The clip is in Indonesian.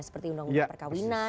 seperti undang undang perkahwinan